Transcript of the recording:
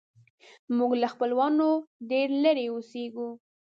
موږ له خپلوانو ډېر لیرې اوسیږو